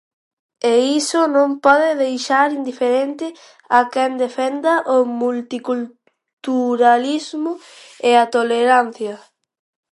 E iso non pode deixar indiferente a quen defenda o multiculturalismo e a tolerancia.